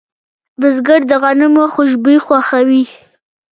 بزګر د غنمو خوشبو خوښوي